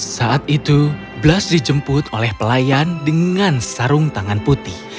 saat itu blas dijemput oleh pelayan dengan sarung tangan putih